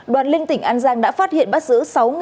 đoàn lên tỉnh an giang đã phát hiện bắt giữ sáu năm trăm bảy mươi